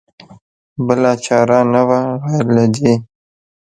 بله چاره نه وه غیر له دې.